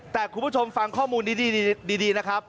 แต่คุณผู้ชมฟังข้อมูลดีนะครับ